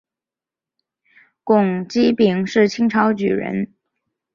龚积柄是清朝举人。